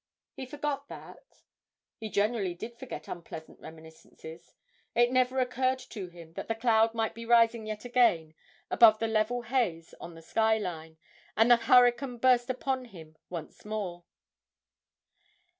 He forgot that he generally did forget unpleasant reminiscences it never occurred to him that the cloud might be rising yet again above the level haze on the sky line, and the hurricane burst upon him once more.